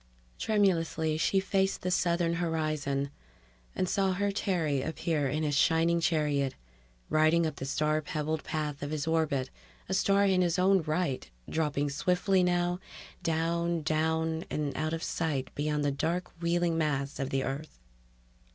Tremulously she faced the southern horizon ... and saw her Terry appear in his shining chariot, riding up the star pebbled path of his orbit, a star in his own right, dropping swiftly now, down, down, and out of sight beyond the dark wheeling mass of the Earth